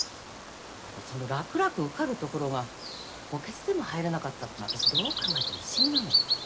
でもその楽々受かるところが補欠でも入らなかったってのは私どう考えても不思議なの。